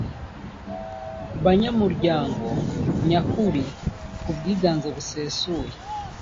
banyamuryango nyakuri ku bwiganze busesuye